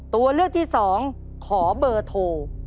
ตัวเลือกที่๒ขอเบอร์โทร